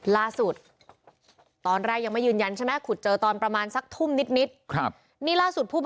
ล่าสุดตอนแรกยังไม่ยืนยันใช่ไหมคุดเจอตอนประมาณสักทุ่มนิด